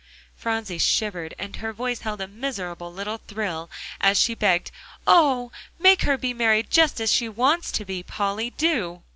Phronsie shivered, and her voice held a miserable little thrill as she begged, "Oh! make her be married just as she wants to be, Polly, do."